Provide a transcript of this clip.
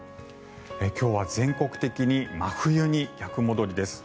今日は全国的に真冬に逆戻りです。